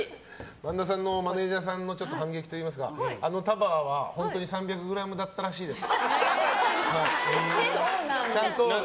萬田さんのマネジャーさんの反撃といいますかあの束は本当に３００ｇだったらしいです。